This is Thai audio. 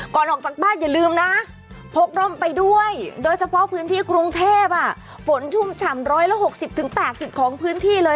ออกจากบ้านอย่าลืมนะพกร่มไปด้วยโดยเฉพาะพื้นที่กรุงเทพฝนชุ่มฉ่ำร้อยละ๖๐๘๐ของพื้นที่เลย